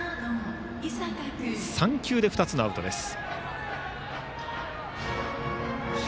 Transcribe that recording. ３球で２つのアウトです。